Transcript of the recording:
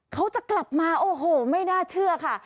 เขาจะกลับมาโอ้โหไม่น่าเชื่อค่ะ